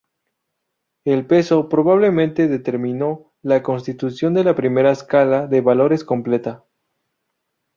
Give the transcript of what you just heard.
El peso, probablemente, determinó la constitución de la primera escala de valores completa.